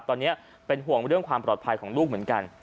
ตอนนี้เป็นห่วงเรื่องความปลอดภัยของลูกเหมือนกัน